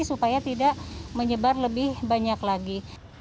supaya tidak menyebar lebih banyak lagi